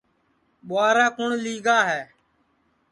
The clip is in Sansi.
ٻوارا کُوٹؔ لی گا ہے